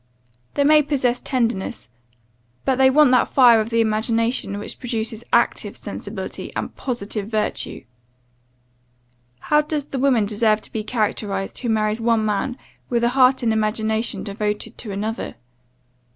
They may possess tenderness; but they want that fire of the imagination, which produces active sensibility, and positive virtue. How does the woman deserve to be characterized, who marries one man, with a heart and imagination devoted to another?